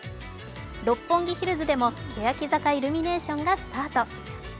六本木ヒルズでもけやき坂イルミネーションがスタート。